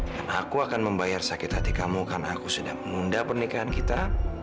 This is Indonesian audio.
dan aku akan membayar sakit hati kamu karena aku sudah mengunda pernikahan kita